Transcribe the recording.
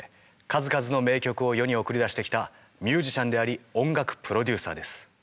数々の名曲を世に送り出してきたミュージシャンであり音楽プロデューサーです。